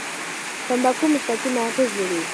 تمباکو مستقیم اغېز لري.